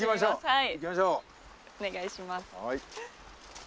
はい。